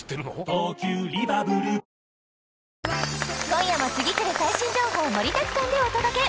今夜も次くる最新情報盛りだくさんでお届け！